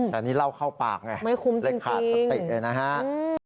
แต่นี่เล่าเข้าปากไงไม่คุ้มเลยขาดสติเลยนะฮะ